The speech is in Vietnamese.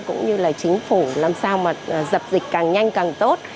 cũng như là chính phủ làm sao mà dập dịch càng nhanh càng tốt